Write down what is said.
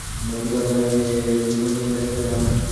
Cigarette খেতে-খেতে জোিড নামে মেয়েটির কথা ভেবে দীর্ঘনিঃশ্বাস ফেললেন।